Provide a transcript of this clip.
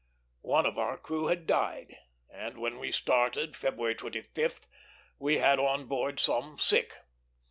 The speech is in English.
One of our crew had died; and when we started, February 25th, we had on board some sick.